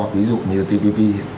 ví dụ như tpp